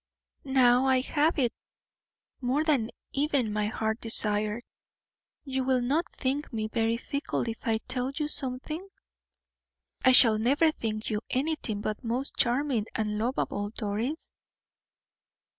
"Now I have it more than even my heart desired. You will not think me very fickle if I tell you something?" "I shall never think you anything but most charming and lovable, Doris."